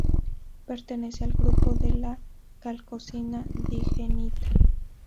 Pertenece al grupo de la calcosina-digenita.